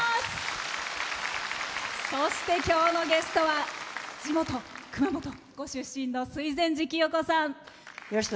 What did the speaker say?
そして、今日のゲストは地元・熊本ご出身の水前寺清子さん。